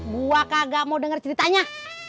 gua kagak mau denger ceritanya